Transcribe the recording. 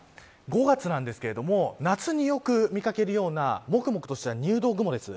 ５月なんですけれども夏によく見かけるようなもくもくとした入道雲です。